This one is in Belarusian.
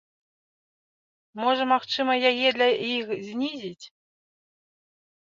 Можа магчыма яе для іх знізіць?